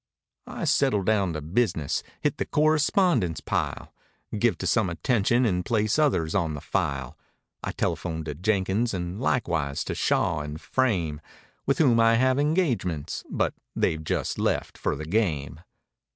I settle down to business—hit the correspondence pile. Give to some attention and place others on the file; I telephone to Jenkins and likewise to Shaw and Frame, With whom I have engagements, but "they've just left for the game."